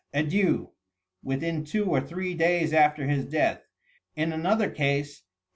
Adieu,' within two or three days after his death. In another case.